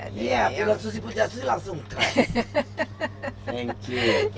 ya pilot susi pujiastuti langsung crash